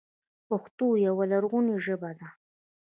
پښتو یوه لرغونې ژبه ده